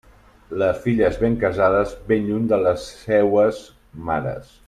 Les filles ben casades, ben lluny de les seues mares.